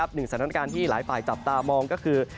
หนึ่งสถานการณ์ที่หลายฝ่ายจับตามองก็คือ